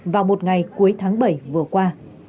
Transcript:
vào một ngày cuối tháng bảy vừa qua